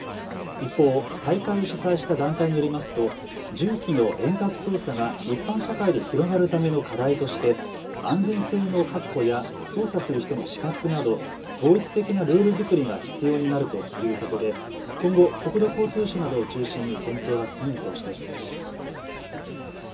一方、大会を主催した団体によりますと重機の遠隔操作が一般社会で広がるための課題として安全性の確保や操作する人の資格など統一的なルール作りが必要になるということで今後、国土交通省などを中心に検討が進む見通しです。